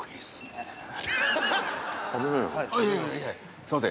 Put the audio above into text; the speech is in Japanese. すいません。